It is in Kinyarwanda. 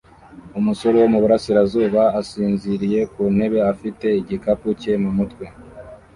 Umusore wo mu burasirazuba asinziriye ku ntebe afite igikapu cye mu mutwe